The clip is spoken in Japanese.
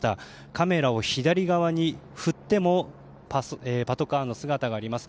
カメラを左側に振ってもパトカーの姿があります。